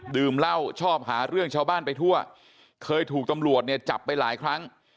ดื่มเหล้าชอบหาเรื่องชาวบ้านไปทั่วเคยถูกตำรวจเนี่ยจับไปหลายครั้ง